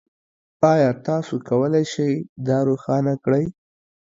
ایا تاسو کولی شئ دا روښانه کړئ؟